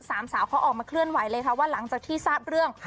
สามสาวเขาออกมาเคลื่อนไหวเลยค่ะว่าหลังจากที่ทราบเรื่อง